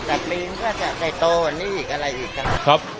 แต่ปีนก็จะใจโตอันนี้อีกอะไรอีก